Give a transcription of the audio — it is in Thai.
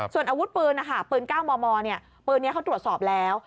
ส่วนอาวุธปืนนะคะปืน๙มมปืนนี้เขาตรวจสอบแล้ว